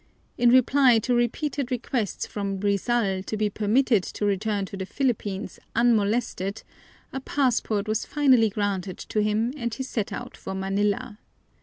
In reply to repeated requests from Rizal to be permitted to return to the Philippines unmolested a passport was finally granted to him and he set out for Manila.